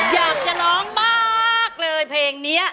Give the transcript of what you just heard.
อยากจะน้องมากเลยเพลงนี้